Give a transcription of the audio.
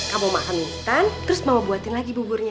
kamu makan mie instan terus mau buatin lagi buburnya